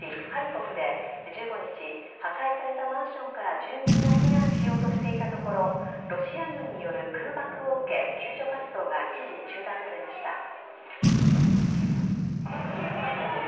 ハリコフで１５日、破壊されたマンションから住民が避難しようとしていたところ、ロシア軍による空爆を受け、救助活動が一時、中断されました。